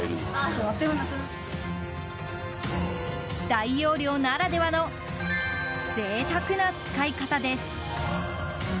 大容量ならではの贅沢な使い方です。